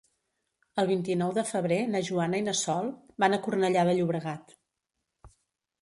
El vint-i-nou de febrer na Joana i na Sol van a Cornellà de Llobregat.